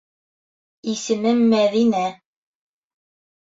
Исемем Мәҙинә.